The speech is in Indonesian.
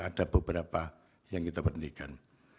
ada beberapa yang kita pentingkan